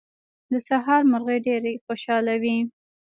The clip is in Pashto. د سهار مرغۍ ډېرې خوشاله وې.